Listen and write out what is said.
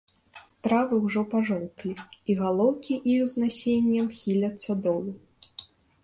Травы ўжо пажоўклі, і галоўкі іх з насеннем хіляцца долу.